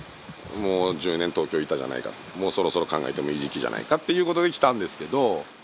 もう１０年東京いたじゃないかもうそろそろ考えてもいい時期じゃないかっていうことで来たんですけど。